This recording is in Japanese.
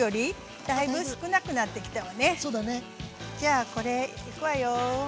じゃこれいくわよ。